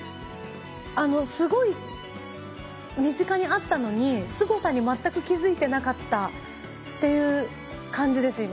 すごい身近にあったのにすごさに全く気付いてなかったっていう感じです今。